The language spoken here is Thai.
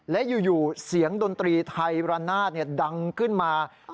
และอยู่เสียงดนตรีไทยระนาดดังขึ้นมา